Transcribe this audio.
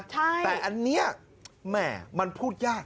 แต่อันนี้แหม่มันพูดยาก